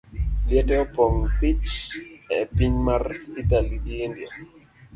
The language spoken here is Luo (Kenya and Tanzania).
Liete opong' thich e piny mar Italy gi India.